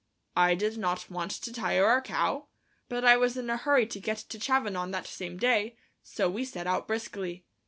I did not want to tire our cow, but I was in a hurry to get to Chavanon that same day, so we set out briskly.